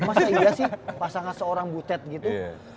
masa iya sih pasangan seorang cibutet gitu